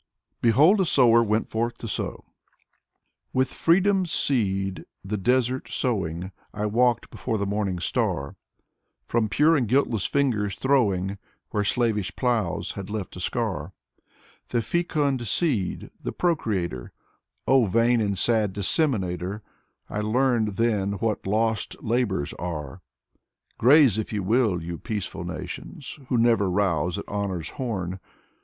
Alexander Pushkin " BEHOLD A SOWER WENT FORTH TO SOW " With freedom's seed the desert sowing, I walked before the morning star; From pure and guiltless fingers throwing — Where slavish plows had left a scar — The fecund seed, the procreator; Oh vain and sad disseminator, I learned then what lost labors are. .•. Graze if you will, you peaceful nations, Who never rouse at honor's horn!